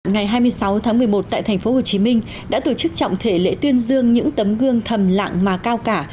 ngày hai mươi sáu tháng một mươi một tại tp hcm đã tổ chức trọng thể lễ tuyên dương những tấm gương thầm lặng mà cao cả